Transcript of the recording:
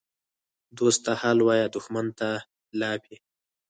دوست ته حال وایه، دښمن ته لاپې.